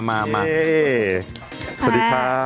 มาสวัสดีครับ